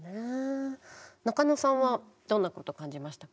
中野さんはどんなことを感じましたか。